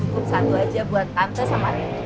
cukup satu aja buat tante sama reyna